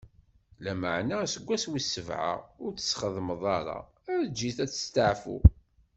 Lameɛna aseggas wis sebɛa, ur ttxeddmeḍ ara, eǧǧ-it ad isteɛfu.